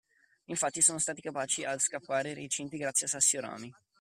Infatti sono stati capaci ad scappare dai recinti grazie a sassi o a rami.